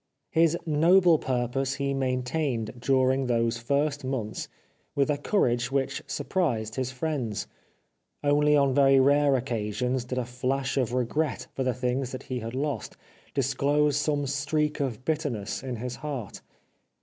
His noble purpose he maintained during those first months with a courage which surprised his friends. Only on very rare occasions did a flash of regret for the things that he had lost disclose some streak of bitterness in his heart.